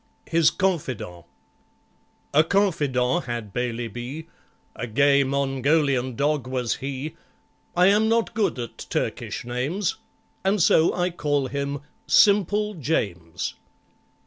His Confidant A confidant had BAILEY B., A gay Mongolian dog was he; I am not good at Turkish names, And so I call him SIMPLE JAMES.